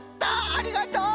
ありがとう！